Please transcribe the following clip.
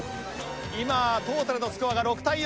今トータルのスコアが６対４。